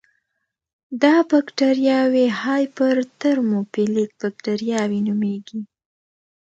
دا بکټریاوې هایپر ترموفیلیک بکټریاوې نومېږي.